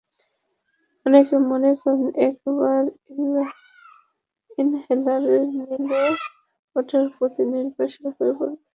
অনেকে মনে করেন, একবার ইনহেলার নিলে ওটার প্রতি নির্ভরশীল হয়ে পড়বে।